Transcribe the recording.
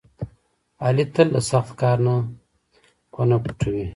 علي تل له سخت کار نه کونه پټوي.